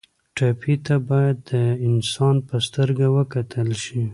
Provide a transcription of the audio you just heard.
ټپي ته باید د انسان په سترګه وکتل شي.